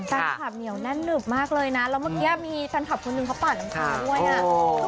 ท่านขับเหนียวแน่นนุบมากเลยนะแล้วเมื่อกี้มีท่านขับคนสิ้นเข้าปั่นเองมาด้วย